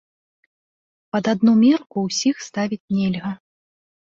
Пад адну мерку ўсіх ставіць нельга.